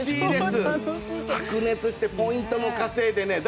白熱してポイントも稼いで。